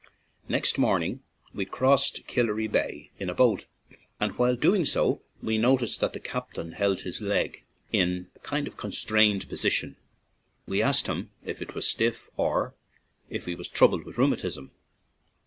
Next morning we crossed Killary Bay in a boat, and while doing so we noticed that the captain held his leg in a very constrained position. We asked him if it was stiff, or if he was troubled with rheumatism.